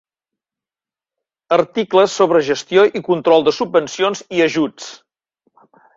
Articles sobre gestió i control de subvencions i ajuts.